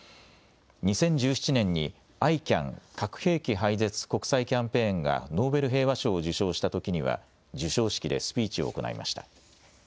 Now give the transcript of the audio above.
２０１７年にＩＣＡＮ・核兵器廃絶国際キャンペーンがノーベル平和賞を受賞したときには授賞式でスピーチを行いました。